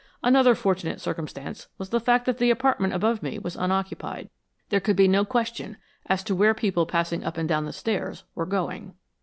Another fortunate circumstance was the fact that the apartment over me was unoccupied. There could be no question as to where people passing up and down the stairs were going."